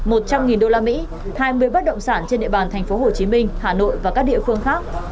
một trăm linh usd hai mươi bất động sản trên địa bàn tp hcm hà nội và các địa phương khác